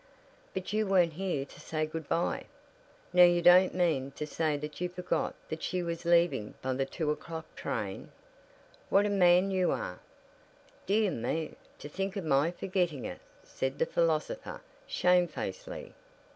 "But you weren't here to say good by. Now you don't mean to say that you forgot that she was leaving by the two o'clock train? What a man you are!" "Dear me! To think of my forgetting it!" said the philosopher, shamefacedly.